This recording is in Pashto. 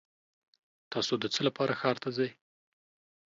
تاسو د څه لپاره ښار ته ځئ؟